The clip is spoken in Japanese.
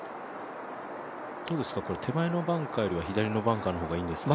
手前のバンカーよりは左のバンカーの方がいいですか？